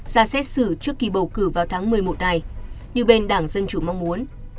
ra xét xử trước kỳ bầu cử vào tháng một mươi một này như bên đảng dân chủ mong muốn